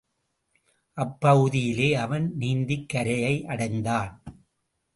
அப்பகுதியிலே அவன் நீந்திக் கரையை அடைந்தான்.